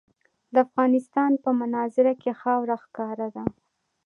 د افغانستان په منظره کې خاوره ښکاره ده.